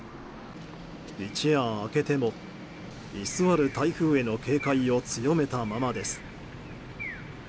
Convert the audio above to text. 一夜明けても、居座る台風への警戒を強めたままです。